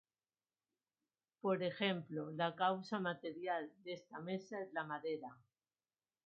Por ejemplo, la causa material de esta mesa es la madera.